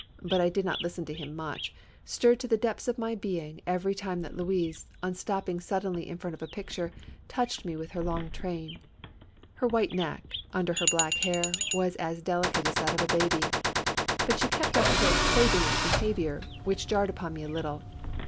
But I did not listen to him much, stirred to the depths of my being every time that Louise, on stopping suddenly in front of a picture, touched me with her long train. Her white neck, under her black hair, was as delicate as that of a baby. But she kept up her 38 SALON AND THEATRE. hoydenish beliavior, wbicli jarred upon me a little.